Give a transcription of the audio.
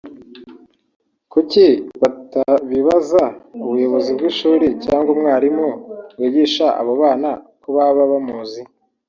kuki batabibaza ubuyobozi bw’ishuri cyangwa umwarimu wigisha abo bana ko baba bamuzi